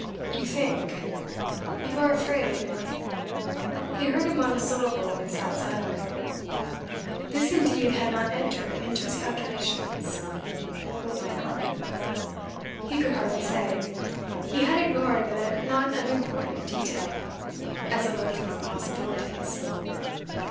'You think you are afraid ' He heard a monosyllable, and sat silent. This indeed had not entered into his calculations; but why not? He could hardly say; he had ignored the not unimportant detail, as it lurked among possibilities.